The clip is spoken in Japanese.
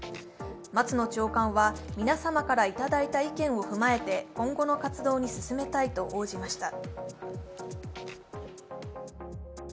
松野長官は皆様からいただいた意見を踏まえて、今後の活動を進めたいと応じました。